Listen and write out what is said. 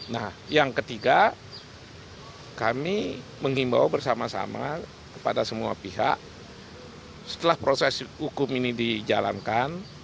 nah yang ketiga kami mengimbau bersama sama kepada semua pihak setelah proses hukum ini dijalankan